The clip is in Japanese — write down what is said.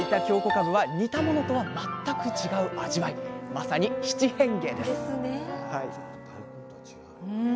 かぶは煮たものとは全く違う味わいまさに七変化です